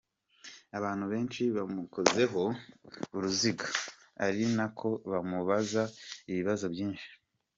Abantu benshi bamukozeho uruziga, ari nako bamubaza ibibazo byinshi.